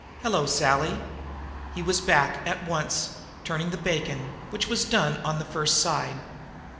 "Hello, Sally." He was back at once, turning the bacon, which was done on the first side.